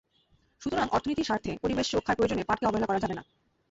সুতরাং অর্থনীতির স্বার্থে, পরিবেশ রক্ষার প্রয়োজনে পাটকে অবহেলা করা যাবে না।